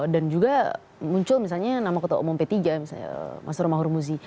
dan juga muncul misalnya nama ketua umum p tiga mas romahur muzi